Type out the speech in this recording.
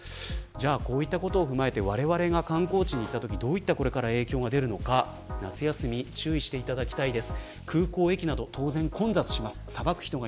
こういったことを踏まえてわれわれが観光地に行ったときどういった影響が出るのか夏休み注意していただきたいです。